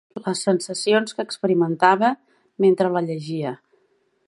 Les sensacions que experimentava mentre la llegia